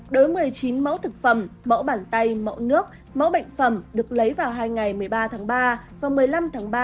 đối một mươi chín mẫu thực phẩm mẫu bàn tay mẫu nước mẫu bệnh phẩm được lấy vào hai ngày một mươi ba tháng ba và một mươi năm tháng ba